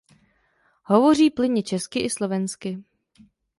Hovoří plynně česky i slovensky.